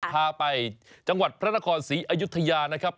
พาไปจังหวัดพระนครศรีอยุธยานะครับ